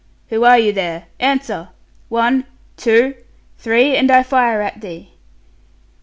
'Who are you there? Answer! One, two, three; and I fire at thee.'